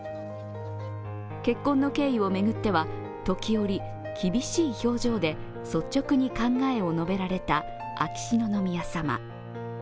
結婚の経緯を巡っては、時折、厳しい表情で率直に考えを述べられた秋篠宮さま。